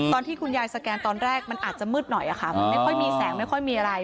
ตอนที่คุณยายสแกนตอนแรกมันอาจจะมืดหน่อยค่ะมันไม่ค่อยมีแสงไม่ค่อยมีอะไร